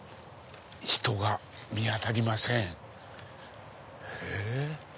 人が見当たりません。